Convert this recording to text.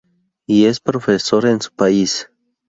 Y es profesor en su país.